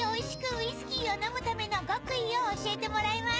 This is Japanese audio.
ウイスキーを飲むための極意を教えてもらいます